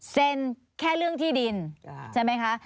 แค่เรื่องที่ดินใช่ไหมคะ